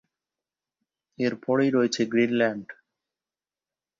এর পরেই রয়েছে গ্রিনল্যান্ড।